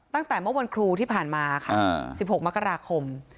ตั้งแต่เมื่อวันครูที่ผ่านมาค่ะ๑๖มกราคม